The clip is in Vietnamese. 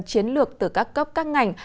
chiến lược từ các cấp các ngành